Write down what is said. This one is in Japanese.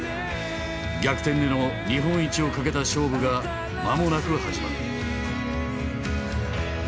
逆転での日本一をかけた勝負が間もなく始まる。